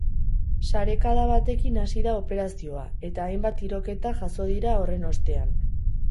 Sarekada batekin hasi da operazioa, eta hainbat tiroketa jazo dira horren ostean.